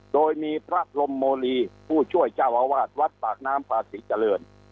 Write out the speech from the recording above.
โดยมีพระพรมโมลีผู้ช่วยเจ้าอาวาสวัดปากน้ำพาศรีเจริญ